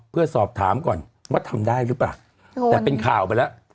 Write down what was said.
เพื่อสอบถามก่อนว่าทำได้หรือเปล่าแต่เป็นข่าวไปแล้ว